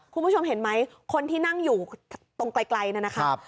คุณผู้ชมเห็นไหมคนที่นั่งอยู่ตรงไกลนะครับ